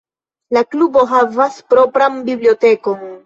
La klubo havas propran bibliotekon.